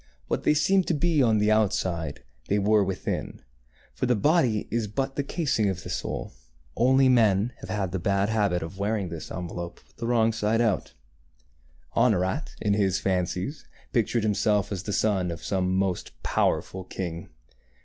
What they seemed to be on the outside, that they were within ; for the body is but 23 24 THE FAIRY SPINNING WHEEL the casing of the soul, only men have the bad habit of wearing this envelope with the wrong side out. Honorat, in his fancies, pictured himself as the son of some most powerful king.